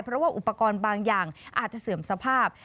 เพราะว่าอุปกรณ์บางอย่างอาจจะเสื่อมสภาพ